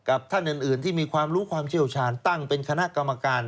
ท่านอื่นที่มีความรู้ความเชี่ยวชาญตั้งเป็นคณะกรรมการ